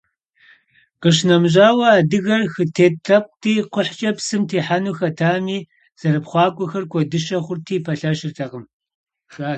Къищынэмыщӏауэ, адыгэр хытет лъэпкъти, кхъухькӏэ псым техьэну хэтами, зэрыпхъуакӏуэхэр куэдыщэ хъурти, пэлъэщыртэкъым.